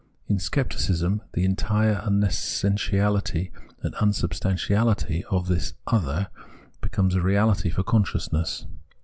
In Scepticism, the entire unessentiahty and unsubstantiaHty of this " other " becomes a reahty for consciousness.